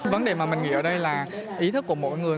vấn đề mà mình nghĩ ở đây là ý thức của mỗi người